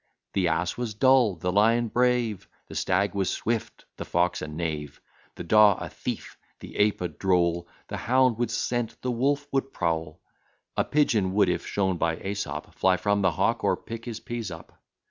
The ass was dull, the lion brave, The stag was swift, the fox a knave; The daw a thief, the ape a droll, The hound would scent, the wolf would prowl: A pigeon would, if shown by Æsop, Fly from the hawk, or pick his pease up.